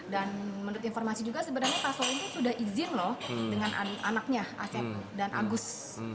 dan menurut informasi juga sebenarnya pak solihin sudah izin dengan anaknya aset dan agus